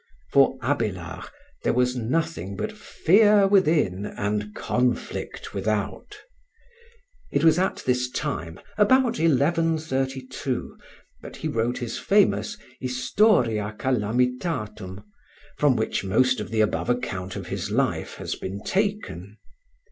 For Abélard there was nothing but "fear within and conflict without." It was at this time, about 1132, that he wrote his famous 'Historia Calamitatum,' from which most of the above account of his life has been taken.